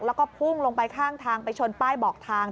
แล้วก็พุ่งลงไปข้างทางไปชนป้ายบอกทาง